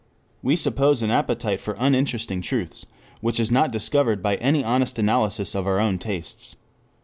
We suppose an appetite for uninteresting truths which is not discovered by any honest analysis of our own tastes.